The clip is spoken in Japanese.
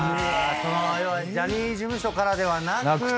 要はジャニーズ事務所からではなく。